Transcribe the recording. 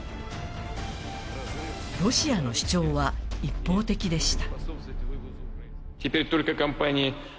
ロシアの主張は一方的でした。